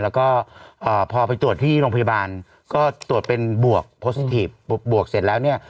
แล้วก็พอไปตรวจที่โรงพยาบาลก็ตรวจเป็นบวกโพสต์ทีฟบวกเสร็จแล้วเนี่ย